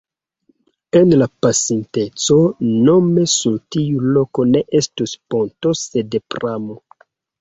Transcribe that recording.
En la pasinteco nome sur tiu loko ne estus ponto sed pramo.